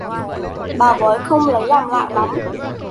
Bà bói không lấy làm lạ lắm